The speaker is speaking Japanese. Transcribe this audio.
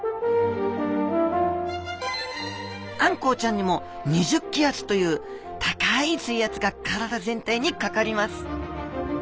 あんこうちゃんにも２０気圧という高い水圧が体全体にかかります。